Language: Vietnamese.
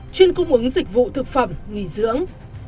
chuyên cung ứng dịch vụ thực phẩm nghỉ dưỡng